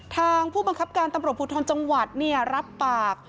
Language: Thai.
ผู้บังคับการตำรวจภูทรจังหวัดรับปาก